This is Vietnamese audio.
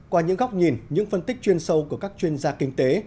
qua những góc nhìn những phân tích chuyên sâu của các chuyên gia kinh tế